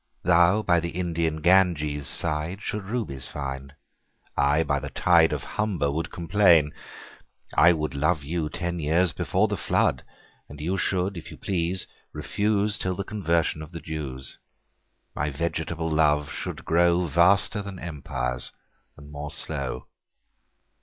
Thou by the Indian Ganges sideShould'st Rubies find: I by the TideOf Humber would complain. I wouldLove you ten years before the Flood:And you should if you please refuseTill the Conversion of the Jews.My vegetable Love should growVaster then Empires, and more slow.